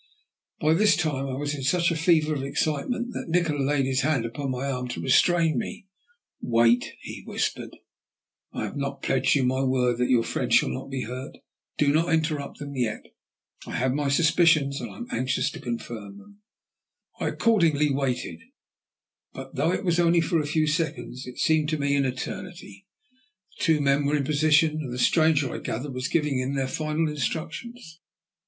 By this time I was in such a fever of excitement that Nikola laid his hand upon my arm to restrain me. "Wait," he whispered. "Have I not pledged you my word that your friend shall not be hurt? Do not interrupt them yet. I have my suspicions, and am anxious to confirm them." [Illustration: "'Put down your pistols,' said Nikola."] I accordingly waited, but though it was only for a few seconds it seemed to me an eternity. The two men were in position, and the stranger, I gathered, was giving them their final instructions.